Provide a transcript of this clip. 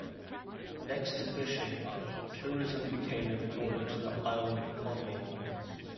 Next to fishing, tourism became important to the island economy.